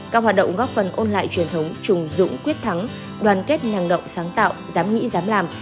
các hoạt động góp phần ôn lại truyền thống trùng dũng quyết thắng đoàn kết năng động sáng tạo dám nghĩ dám làm